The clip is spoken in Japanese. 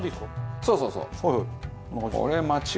そうそうそう。